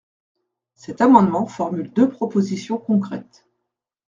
Cet amendement formule deux propositions concrètes.